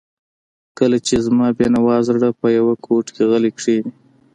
کله چې زما بېنوا زړه په یوه ګوټ کې غلی کښیني.